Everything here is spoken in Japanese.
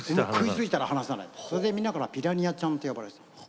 それで、みんなからピラニアちゃんって呼ばれてた。